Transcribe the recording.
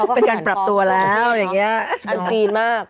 เป็นการปรับตัวแล้วอย่างนี้มันคลีนมาก